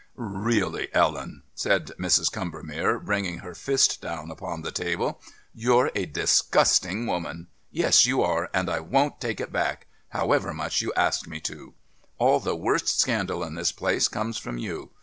"Really, Ellen," said Mrs. Combermere, bringing her fist down upon the table, "you're a disgusting woman. Yes, you are, and I won't take it back, however much you ask me to. All the worst scandal in this place comes from you.